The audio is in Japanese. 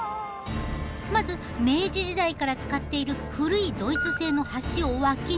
まず明治時代から使っている古いドイツ製の橋を脇にずらし。